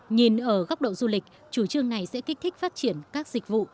nhìn ở góc độ du lịch chủ trương này sẽ kích thích phát triển các dịch vụ